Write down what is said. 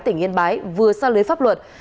tỉnh yên bái vừa xa lưới pháp luật